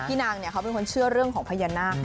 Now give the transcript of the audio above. นางเขาเป็นคนเชื่อเรื่องของพญานาค